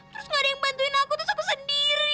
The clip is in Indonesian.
terus gak ada yang bantuin aku terus aku sendiri